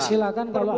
silakan kalau ada